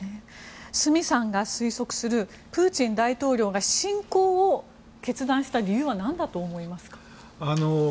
角さんが推測するプーチン大統領が侵攻を決断した理由は何だと思いますか？